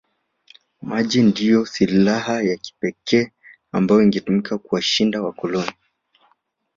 Maji ndiyo silaha ya kipekee ambayo ingetumika kuwashinda wakoloni